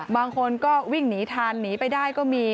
บางคนก็วิ่งหนีทันหนีไปได้ก็มี